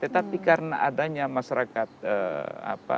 tetapi karena adanya masyarakat apa